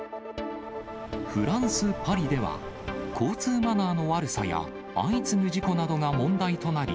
フランス・パリでは、交通マナーの悪さや相次ぐ事故などが問題となり、